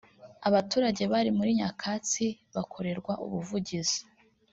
Abaturage bari muri Nyakatsi bakorerwa ubuvugizi